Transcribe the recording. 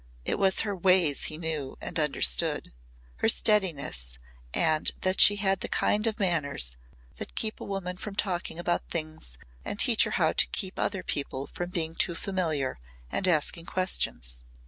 It was her ways he knew and understood her steadiness and that she had the kind of manners that keep a woman from talking about things and teach her how to keep other people from being too familiar and asking questions.